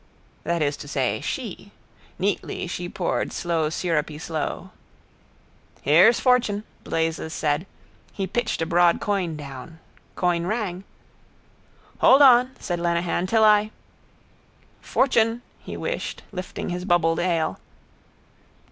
That is to say she. Neatly she poured slowsyrupy sloe. —Here's fortune, Blazes said. He pitched a broad coin down. Coin rang. —Hold on, said Lenehan, till I... —Fortune, he wished, lifting his bubbled ale.